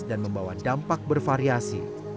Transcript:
dan membawa dampak bervariasi